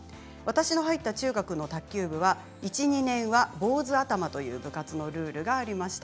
私が入った中学の卓球部は１、２年は坊主頭という部活のルールがありました。